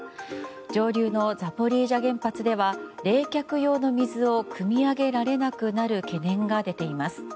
上流のザポリージャ原発では冷却用の水をくみ上げられなくなる懸念が出ています。